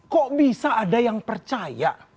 kok bisa ada yang percaya